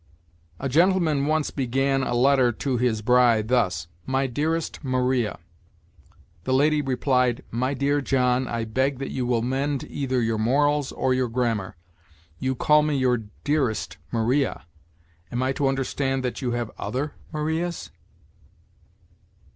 "A gentleman once began a letter to his bride thus: 'My dearest Maria.' The lady replied: 'My dear John, I beg that you will mend either your morals or your grammar. You call me your "dearest Maria"; am I to understand that you have other Marias'?"